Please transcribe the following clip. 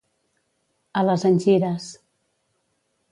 A les engires.